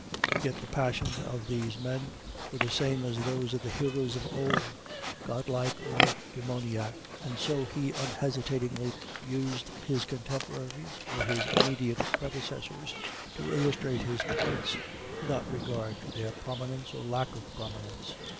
Yet the passions of these men were the same as those of the heroes of old, godlike or demoniac; and so he unhesitatingly used his contemporaries, or his immediate predecessors, to illustrate his points, without regard to their prominence or lack of prominence.